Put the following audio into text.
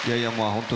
本当